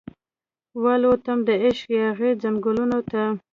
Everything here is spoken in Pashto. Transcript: والوتم دعشق یاغې ځنګلونو ته